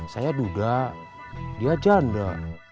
saya duga dia janda